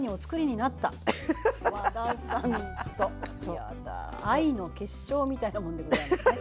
やだ愛の結晶みたいなもんでございますね。